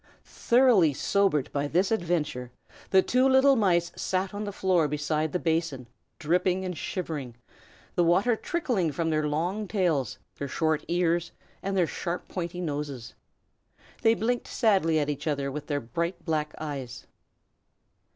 Thoroughly sobered by this adventure, the two little mice sat on the floor beside the basin, dripping and shivering, the water trickling from their long tails, their short ears, their sharp pointed noses. They blinked sadly at each other with their bright black eyes.